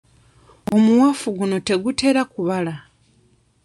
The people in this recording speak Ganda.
Omuwafu guno tegutera kubala.